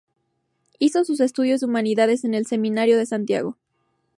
Hizo sus estudios de humanidades en el Seminario de Santiago.